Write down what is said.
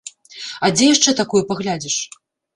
А дзе яшчэ такое паглядзіш?